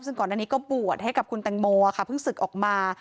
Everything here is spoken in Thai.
ซึ่งก่อนอันนี้ก็บวชให้กับคุณแตงโมค่ะเพิ่งศึกออกมา